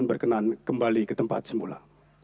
lagu kebangsaan indonesia raya